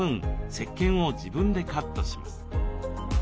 石けんを自分でカットします。